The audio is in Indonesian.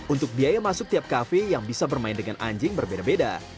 untuk biaya masuk tiap cafe yang bisa bermain dengan anjing berbeda beda